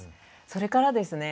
それからですね